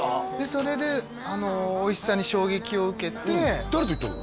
それでおいしさに衝撃を受けて誰と行ったの？